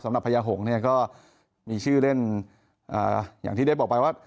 พญาหงษ์เนี่ยก็มีชื่อเล่นอย่างที่ได้บอกไปว่า